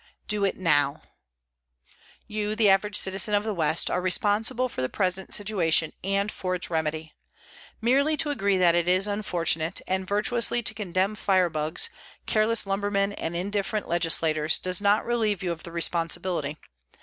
DO IT NOW You, the average citizen of the West, are responsible for the present situation and for its remedy. Merely to agree that it is unfortunate, and virtuously to condemn firebugs, careless lumbermen and indifferent legislators, does not relieve you of the responsibility.